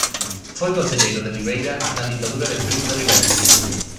Foi concelleiro de Ribeira na ditadura de Primo de Rivera.